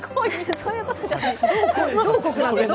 そういうことじゃない。